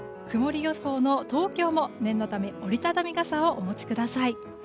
曇り予想の東京も念のため折り畳み傘をお持ちください。